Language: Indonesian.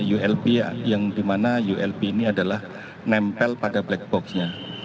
ulb yang di mana ulb ini adalah nempel pada black box nya